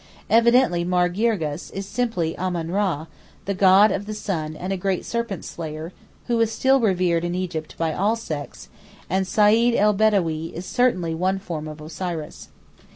Evidently Mar Girgis is simply Ammon Ra, the God of the Sun and great serpent slayer, who is still revered in Egypt by all sects, and Seyd el Bedawee is as certainly one form of Osiris.